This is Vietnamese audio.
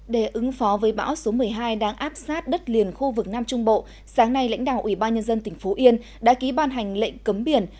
để ứng phó với bão số một mươi hai đang áp sát đất liền khu vực nam trung bộ sáng nay lãnh đạo ủy ban nhân dân tỉnh phú yên đã ký ban hành lệnh cấm biển